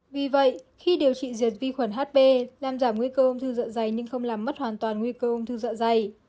vì vậy khi điều trị diệt vi khuẩn hp làm giảm nguy cơ ung thư dạ dày nhưng không làm mất hoàn toàn nguy cơ ung thư dạ dày